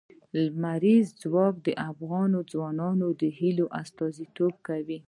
لمریز ځواک د افغان ځوانانو د هیلو استازیتوب کوي.